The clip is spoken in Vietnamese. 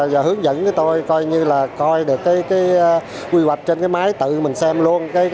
và hướng dẫn cái tôi coi như là coi được cái quy hoạch trên cái máy tự mình xem luôn